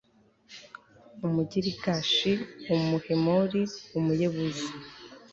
umugirigashi, umuhemori, umuyebuzi